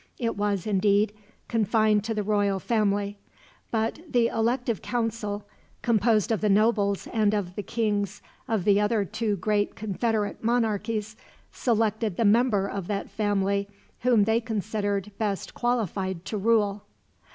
It was, indeed, confined to the royal family; but the elective council, composed of the nobles and of the kings of the other two great confederate monarchies, selected the member of that family whom they considered best qualified to rule.